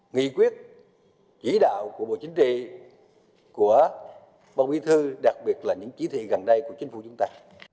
nghị quyết chỉ đạo của bộ chính trị của ban bí thư đặc biệt là những chỉ thị gần đây của chính phủ chúng ta